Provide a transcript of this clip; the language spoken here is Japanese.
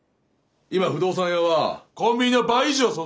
今不動産屋はコンビニの倍以上存在する。